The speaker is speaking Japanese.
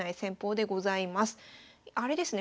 あれですね